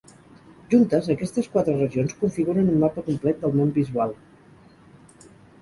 Juntes, aquestes quatre regions configuren un mapa complet del món visual.